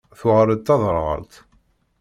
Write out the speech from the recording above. Tuɣal d taderɣalt.